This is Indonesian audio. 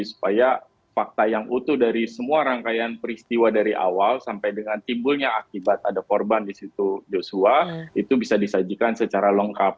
supaya fakta yang utuh dari semua rangkaian peristiwa dari awal sampai dengan timbulnya akibat ada korban di situ joshua itu bisa disajikan secara lengkap